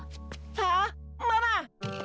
あっママ！